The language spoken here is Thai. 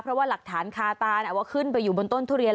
เพราะว่าหลักฐานคาตาว่าขึ้นไปอยู่บนต้นทุเรียน